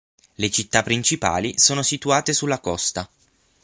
Le città principali sono situate sulla costa.